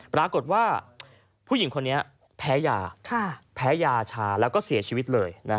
ปรากฏว่าผู้หญิงคนนี้แพ้ยาแพ้ยาชาแล้วก็เสียชีวิตเลย